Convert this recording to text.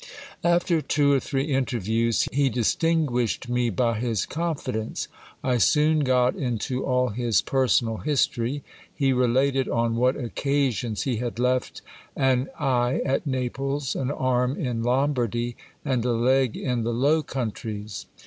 After two or three interviews, he distinguished me by his confidence. I soon got into all his personal history : he related on what occasions he had left an eye at Naples, an arm in Lombardy, and a leg in the Low Countries.